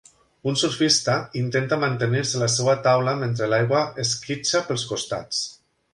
Un surfista intenta mantenir-se a la seva taula mentre l'aigua esquitxa pels costats.